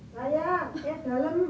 saya ya dalam